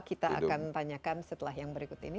kita akan tanyakan setelah yang berikut ini